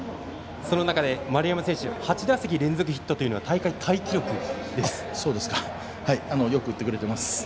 その中で丸山選手８打席連続ヒットというのはよく打ってくれてます。